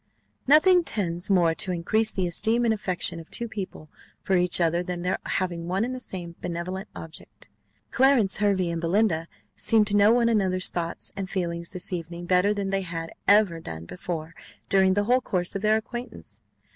Nothing tends more to increase the esteem and affection of two people for each other than their having one and the same benevolent object. Clarence Hervey and Belinda seemed to know one another's thoughts and feelings this evening better than they had ever done before during the whole course of their acquaintance.